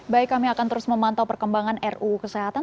baik kami akan terus memantau perkembangan ruu kesehatan